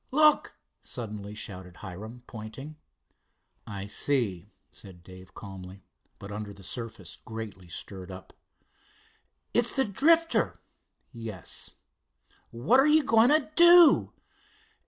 "Look!" suddenly shouted Hiram, pointing. "I see," said Dave calmly, but under the surface greatly stirred up. "It's the Drifter!" "Yes." "What are you going to do?"